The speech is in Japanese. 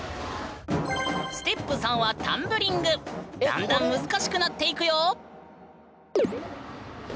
ステップ３はだんだん難しくなっていくよ！